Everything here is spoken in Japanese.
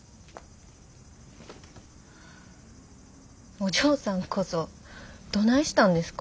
お嬢さんこそどないしたんですか？